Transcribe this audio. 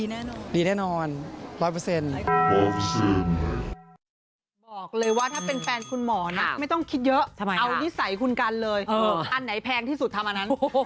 ก็คือเป็นแฟนหมอดีแน่นอน